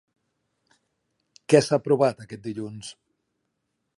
Què s'ha aprovat aquest dilluns?